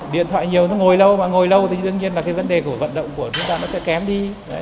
điện thoại nhiều nó ngồi lâu mà ngồi lâu thì dương nhiên là vấn đề của vận động của chúng ta sẽ kém đi